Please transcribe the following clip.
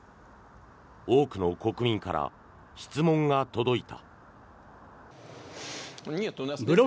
多くの国民から質問が届いた。